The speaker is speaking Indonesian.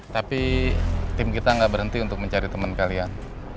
tapi tim kita gak berhenti untuk mencari temen kalian